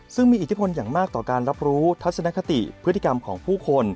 ซึ่งมีอิทธิพลอย่างมากต่อการรับรู้ทัศนคติพฤติกรรมของผู้คน